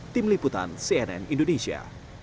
tim liputan cnn indonesia